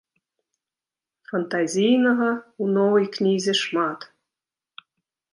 Фантазійнага ў новай кнізе шмат.